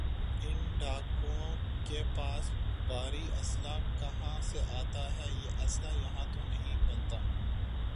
ان ڈاکوؤں کے پاس بھاری اسلحہ کہاں سے آتا ہے یہ اسلحہ یہاں تو نہیں بنتا